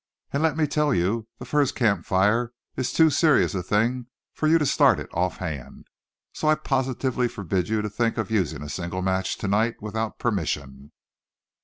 And let me tell you, the first camp fire is too serious a thing for you to start it off hand. So I positively forbid you to think of using a single match to night without permission."